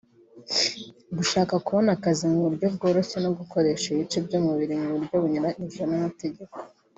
gushaka kubona akazi mu buryo bworoshye no gukoresha ibice by’umubiri mu buryo bunyuranyije n’amategeko